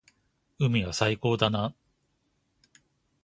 海は最高だな。